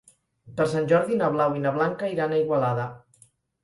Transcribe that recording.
Per Sant Jordi na Blau i na Blanca iran a Igualada.